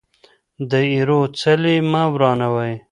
د ايرو څلی مه ورانوئ.